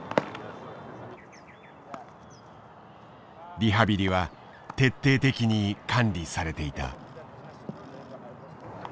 リハビリは徹底的に管理されていた。